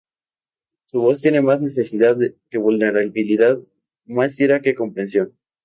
Su voz tiene más necesidad que vulnerabilidad, más ira que comprensión".